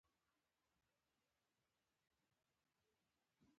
دا قوانین ولسي نرخونه بلل کېږي په پښتو ژبه.